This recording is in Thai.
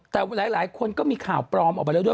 แต่หลายคนก็มีข่าวปลอมออกไปแล้วด้วย